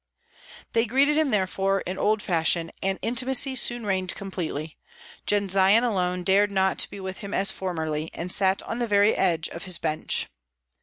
They greeted him therefore in old fashion, and "intimacy" soon reigned completely. Jendzian alone dared not be with him as formerly, and sat on the very edge of his bench.